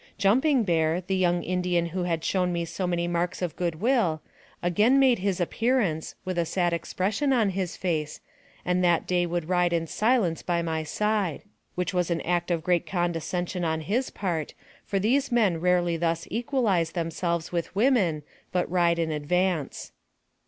Jumping Bear, the young Indian who had shown me so many marks of good will, again made his ap pearance, with a sad expression on his face, and that day would ride in silence by my side ; which was an AMONG THE SIOUX INDIANS. 77 act of great condescension on his part, for these men rarely thus equalize themselves with women, but ride in advance.